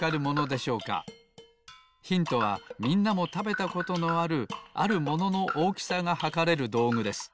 ヒントはみんなもたべたことのあるあるもののおおきさがはかれるどうぐです。